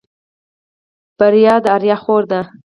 بريا د آريا خور ده.